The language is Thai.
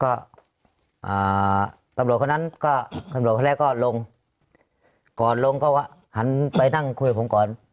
ก็ตำรวจคนนั้นก็ตำรวจคนแรกก็ลงก่อนลงก็หันไปนั่งคุยกับผมก่อน